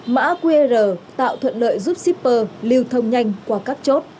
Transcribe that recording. mã qr tạo thuận lợi giúp shipper lưu thông nhanh qua các chốt